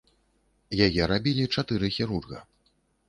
Яе рабілі чатыры хірурга.